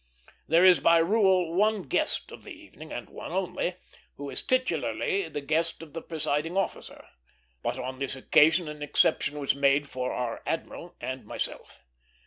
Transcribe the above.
There is by rule one guest of the evening, and one only, who is titularly the guest of the presiding officer; but on this occasion an exception was made for our admiral and myself.